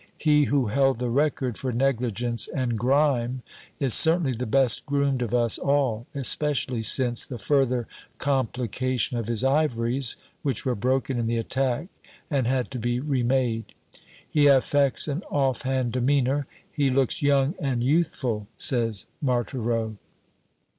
He who held the record for negligence and grime is certainly the best groomed of us all, especially since the further complication of his ivories, which were broken in the attack and had to be remade. He affects an off hand demeanor. "He looks young and youthful," says Marthereau.